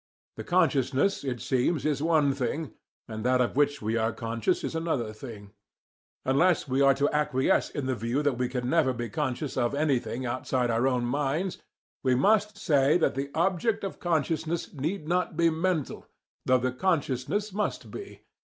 The consciousness, it seems, is one thing, and that of which we are conscious is another thing. Unless we are to acquiesce in the view that we can never be conscious of anything outside our own minds, we must say that the object of consciousness need not be mental, though the consciousness must be.